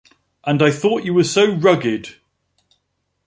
And I thought you were so rugged!